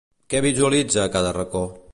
Què visualitza a cada racó?